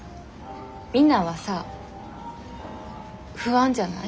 みんなはさ不安じゃない？